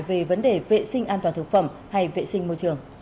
về vấn đề vệ sinh an toàn thực phẩm hay vệ sinh môi trường